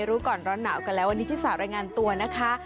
รู้ก่อนร้อนหนาวกันแล้ววันนี้ชิสารายงานตัวนะคะ